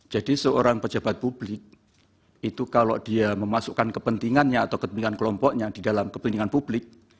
jadi seorang pejabat publik itu kalau dia memasukkan kepentingannya atau kepentingan kelompoknya di dalam kepentingan publik